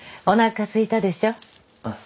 おなかすいたでしょ。